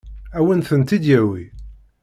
Ad wen-tent-id-yawi?